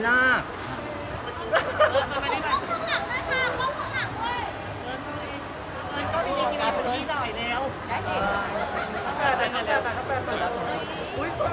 เอาเรื่องต่อไป